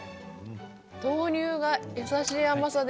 豆乳が優しい甘さで。